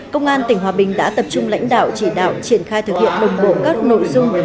công an tỉnh hòa bình đã tập trung lãnh đạo chỉ đạo triển khai thực hiện đồng bộ các nội dung